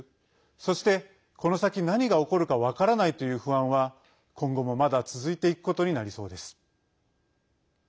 そして、この先何が起こるか分からないという不安は今後もまだ続いていくことになりそうです。